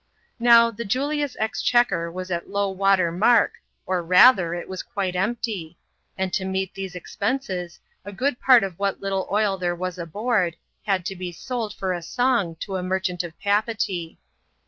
Now, the Julia's exchequer Was at low water mark, or, rather, it was quite empty : and to meet these ex peoses, a good part of what little oil there was aboard had to be sold for a song to a merchant of Papeetee.